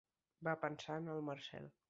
Va pensar en el Marcel.